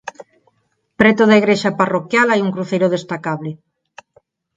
Preto da igrexa parroquial hai un cruceiro destacable.